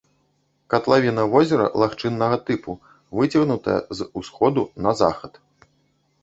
Катлавіна возера лагчыннага тыпу, выцягнутая з усходу на захад.